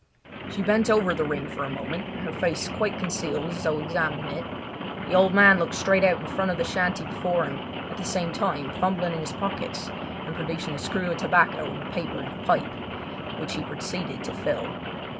She bent over the ring for a moment, her face quite concealed as though examining it. The old man looked straight out of the front of the shanty before him, at the same time fumbling in his pockets and producing a screw of tobacco in a paper and a pipe, which he proceeded to fill.